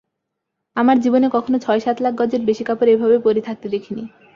আমার জীবনে কখনো ছয়-সাত লাখ গজের বেশি কাপড় এভাবে পড়ে থাকতে দেখিনি।